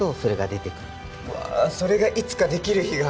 うわそれがいつかできる日が。